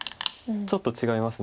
ちょっと違います。